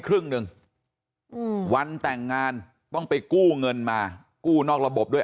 ครึ่งหนึ่งอืมวันแต่งงานต้องไปกู้เงินมากู้นอกระบบด้วย